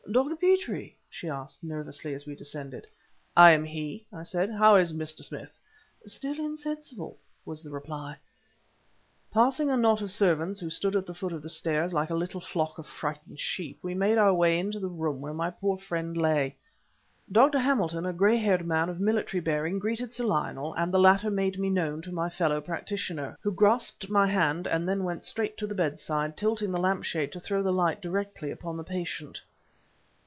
"Doctor Petrie?" she asked, nervously, as we descended. "I am he," I said. "How is Mr. Smith?" "Still insensible," was the reply. Passing a knot of servants who stood at the foot of the stairs like a little flock of frightened sheep we made our way into the room where my poor friend lay. Dr. Hamilton, a gray haired man of military bearing, greeted Sir Lionel, and the latter made me known to my fellow practitioner, who grasped my hand, and then went straight to the bedside, tilting the lampshade to throw the light directly upon the patient.